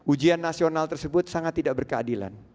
ujian nasional tersebut sangat tidak berkeadilan